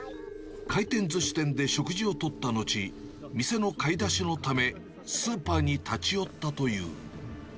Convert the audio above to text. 回転ずし店で食事をとった後、店の買い出しのため、スーパーに立ち寄ったという。